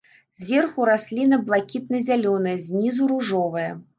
Зверху расліна блакітна-зялёная, знізу ружовая.